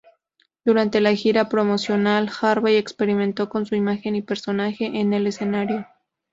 Durante la gira promocional, Harvey experimentó con su imagen y personaje en el escenario.